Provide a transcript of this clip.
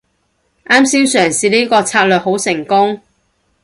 啱先嘗試呢個策略好成功